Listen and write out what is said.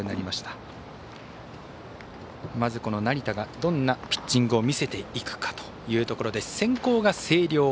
まず成田がどんなピッチングを見せていくかというところで先攻が星稜。